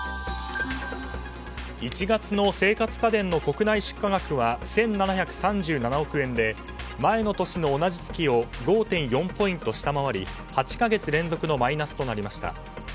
１月の生活家電の国内出荷額は１７３７億円で前の年の同じ月を５．４ポイント下回り８か月連続のマイナスとなりました。